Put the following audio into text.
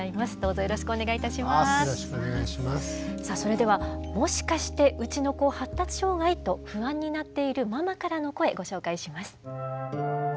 さあそれではもしかしてうちの子発達障害？と不安になっているママからの声ご紹介します。